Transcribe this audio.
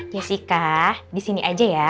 jessica disini aja ya